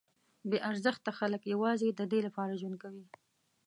بې ارزښته خلک یوازې ددې لپاره ژوند کوي.